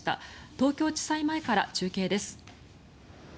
東京地裁前から中継です。